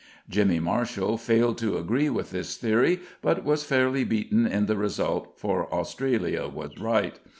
Jimmy Marshall failed to agree with this theory, but was fairly beaten in the result, for Australia was right.